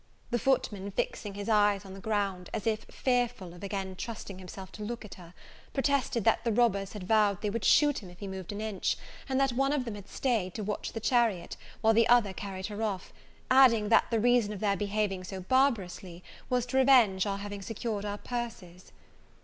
The footman, fixing his eyes on the ground, as if fearful of again trusting himself to look at her, protested that the robbers had vowed they would shoot him if he moved an inch, and that one of them had stayed to watch the chariot, while the other carried her off, adding, that the reason of their behaving so barbarously, was to revenge our having secured our purses.